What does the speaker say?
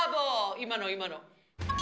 今の、今の。